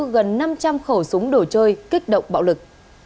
gần năm trăm linh khẩu súng đồ chơi kích động bạo lực